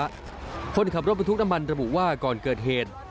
คนขับรถบรรทุกน้ำมันระบุว่าก่อนเกิดเหตุ